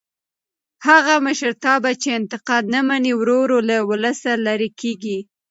هغه مشرتابه چې انتقاد نه مني ورو ورو له ولسه لرې کېږي